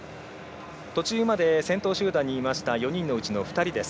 途中まで先頭集団にいた４人のうちの２人。